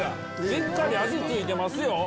しっかり味付いてますよ。